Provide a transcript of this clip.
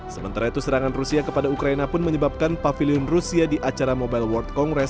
sementara itu serangan rusia kepada ukraina pun menyebabkan pavilion rusia di acara mobile world congress